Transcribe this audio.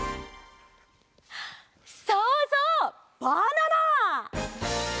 そうそうバナナ！